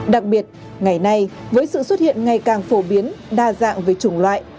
đặc biệt ngày nay với sự xuất hiện ngày càng phổ biến đa dạng về chủng loại